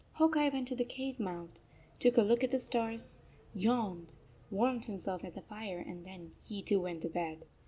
Hawk Eye went to the cave mouth, took a look at the stars, yawned, warmed himself at the fire, and then he too went to bed.